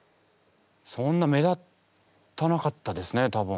そんな目立たなかったですね多分。